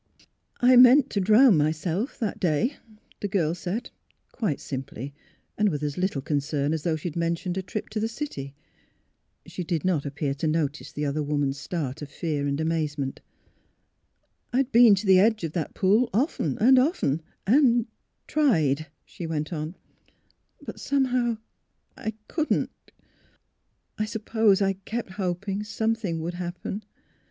" I meant to drown myself that day," the girl said, quite simply, and with as little concern as though she had mentioned a trip to the city. She did not appear to notice the other woman's start of fear and amazement. '' I had been to the edge of that pool often and often and — tried," she went on; " but some how I — couldn't. I suppose I kept hoping some thing would happen.